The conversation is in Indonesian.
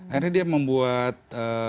akhirnya dia membuat